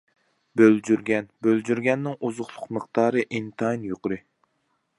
بۆلجۈرگەن: بۆلجۈرگەننىڭ ئوزۇقلۇق مىقدارى ئىنتايىن يۇقىرى.